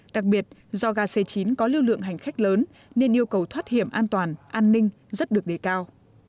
đặc biệt do ga c chín có lưu lượng hành khách lớn nên yêu cầu thoát hiểm an toàn an ninh rất được đề cao